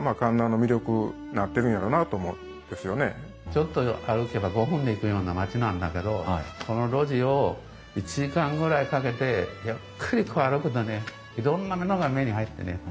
ちょっと歩けば５分で行くような町なんだけどその路地を１時間ぐらいかけてゆっくりと歩くとねいろんなものが目に入ってね。